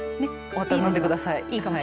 飲んでください。